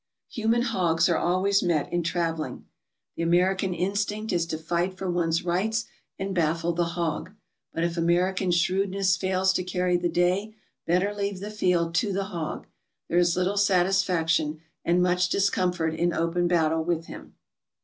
Human hogs are always met in traveling. The Ameri can instinct is to fight for one's rights and baffle the hog, but if American shrewdness fails to carry the day, better leave the field to the hog; there is little Satisfaction and much discomfort in open battle with him.